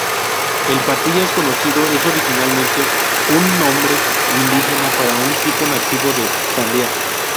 El Patillas conocido es originalmente un nombre indígena para un tipo nativo de sandía.